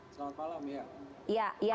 selamat malam ya